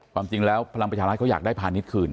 ความจริงแล้วพลังประชารัฐเขาอยากได้พาณิชย์คืน